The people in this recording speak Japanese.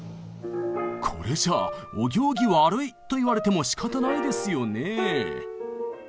これじゃあお行儀悪いと言われてもしかたないですよねえ。